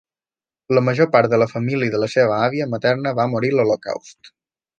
La major part de la família de la seva àvia materna va morir en l'Holocaust.